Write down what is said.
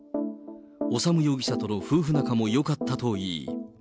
修容疑者との夫婦仲もよかったといい。